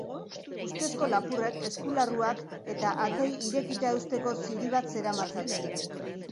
Ustezko lapurrek eskularruak eta ateei irekita eusteko ziri bat zeramatzaten.